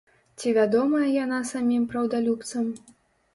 Ці вядомая яна самім праўдалюбцам?